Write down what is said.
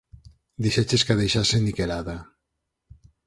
Dixeches que a deixase niquelada.